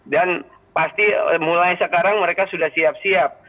dan pasti mulai sekarang mereka sudah siap siap